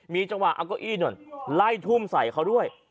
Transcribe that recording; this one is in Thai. มีจังหวะเอาเก้าอี้นู่นไล่ทุ่มใส่เขาด้วย